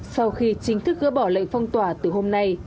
sau khi chính thức gỡ bỏ lệnh phong tỏa từ hôm nay